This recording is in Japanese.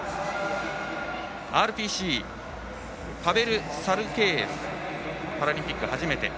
ＲＰＣのパベル・サルケーエフパラリンピック初めて。